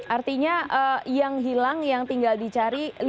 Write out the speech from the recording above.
artinya yang hilang yang tinggal dicari